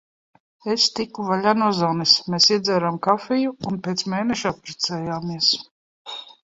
Es tiku vaļā no Zanes. Mēs iedzērām kafiju. Un pēc mēneša apprecējāmies.